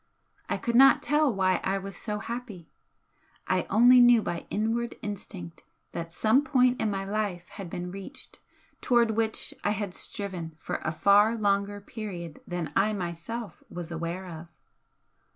I could not tell why I was so happy, I only knew by inward instinct that some point in my life had been reached towards which I had striven for a far longer period than I myself was aware of.